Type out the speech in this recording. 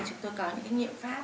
chúng tôi có những nghiệm pháp